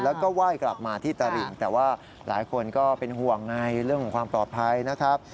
แล้วก็ไหว้กลับมาที่ตลิ่งแต่ว่าหลายคนก็เป็นห่วงไงเรื่องของความปลอดภัยนะครับ